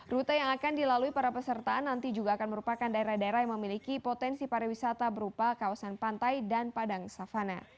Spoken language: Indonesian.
rute yang akan dilalui para peserta nanti juga akan merupakan daerah daerah yang memiliki potensi pariwisata berupa kawasan pantai dan padang savana